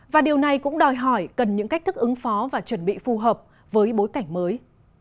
và điều này cũng đòi hỏi cần những cách thức ứng phó và chuẩn bị phù hợp với bối cảnh mới